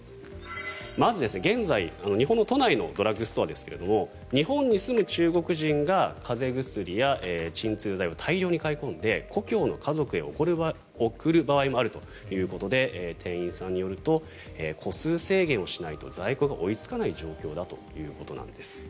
まず、現在、日本の都内のドラッグストアですが日本に住む中国人が風邪薬や鎮痛剤を大量に買い込んで故郷の家族へ送る場合もあるということで店員さんによると個数制限をしないと在庫が追いつかない状況だということなんです。